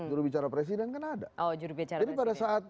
juru bicara presiden kan ada jadi pada saat